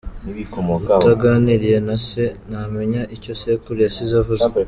Utaganiriye na se, ntamenya icyo sekuru yasize avuze.